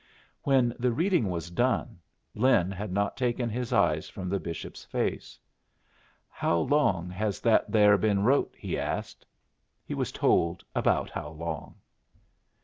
When the reading was done, Lin had not taken his eyes from the bishop's face. "How long has that there been wrote?" he asked. He was told about how long.